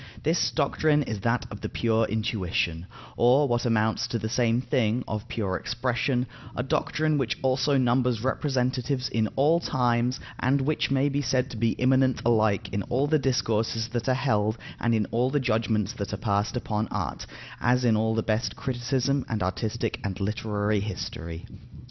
This doctrine is that of the pure intuition (or, what amounts to the same thing, of pure expression); a doctrine which also numbers representatives in all times, and which may be said to be immanent alike in all the discourses that are held and in all the judgments that are passed upon art, as in all the best criticism and artistic and literary history.